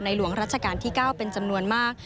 หลวงรัชกาลที่๙เป็นจำนวนมาก